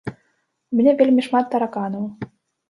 У мяне вельмі шмат тараканаў.